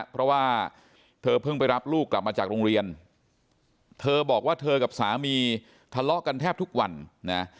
เพราะว่าเธอเพิ่งไปรับลูกกลับมาจากโรงเรียนเธอบอกว่าเธอกับสามีทะเลาะกันแทบทุกวันนะ